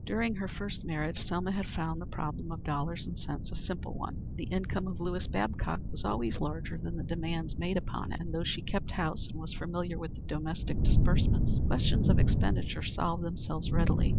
During her first marriage Selma had found the problem of dollars and cents a simple one. The income of Lewis Babcock was always larger than the demands made upon it, and though she kept house and was familiar with the domestic disbursements, questions of expenditure solved themselves readily.